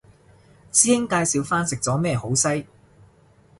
師兄介紹返食咗咩好西